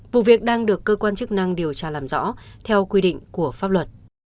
vụ việc đang được cơ quan chức năng điều tra làm rõ theo quy định của pháp luật